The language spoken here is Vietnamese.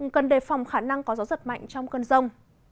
cần đề phòng khả năng có gió giật mạnh trong cơn rông